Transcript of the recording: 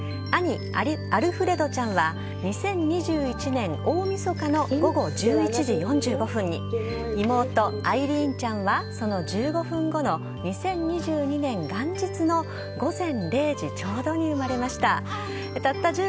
兄・アルフレドちゃんは２０２１年大晦日の午後１１時４５分に妹・アイリーンちゃんはその１５分後の２０２２年元日の午前０時ちょうどに生まれました。